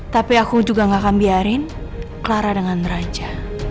tapi aku juga gak akan biarin clara dengan raja